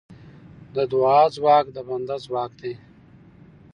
د دعا ځواک د بنده ځواک دی.